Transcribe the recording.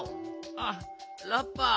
あっラッパー。